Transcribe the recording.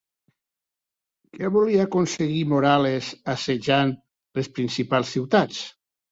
Què volia aconseguir Morales assetjant les principals ciutats?